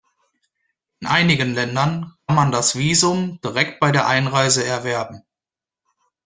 In einigen Ländern kann man das Visum direkt bei der Einreise erwerben.